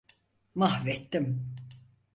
Mahvettim.